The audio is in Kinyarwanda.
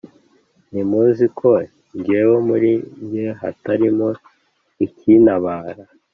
ntimuzi ko jyewe muri jye hatarimo ikintabara,